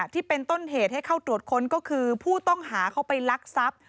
ที่เป็นต้นเหตุให้เข้าตรวจค้นก็คือผู้ต้องหาเข้าไปลักทรัพย์